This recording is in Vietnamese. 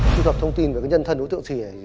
tuy tập thông tin về nhân thân đối tượng sì